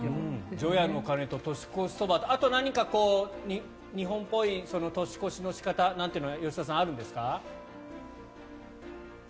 除夜の鐘と年越しそばとあとは何か、日本っぽい年越しの仕方なんていうのは吉田さん、あるんですか？